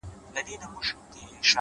اوس دا يم ځم له خپلي مېني څخه؛